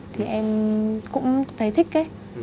thì em cũng thấy thích ấy